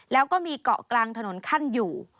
แล้วก็มีเกาะกลางถนนขั้นอยู่